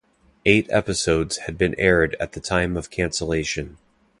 Eight episodes had been aired at the time of cancellation.